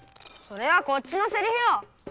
それはこっちのセリフよ！